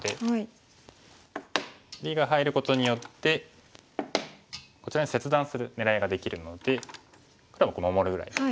切りが入ることによってこちらに切断する狙いができるので黒は守るぐらいです。